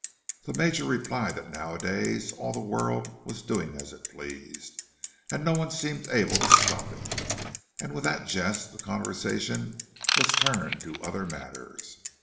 The Major replied that nowadays all the world was doing as it pleased, and no one seemed to be able to stop it; and with that jest the conversation was turned to other matters.